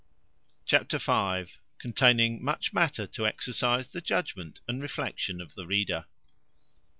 Chapter v. Containing much matter to exercise the judgment and reflection of the reader.